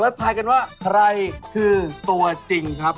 แล้วทายกันว่าใครคือตัวจริงครับ